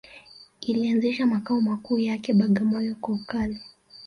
Ilianzisha makao makuu yake Bagamoyo kwa ukali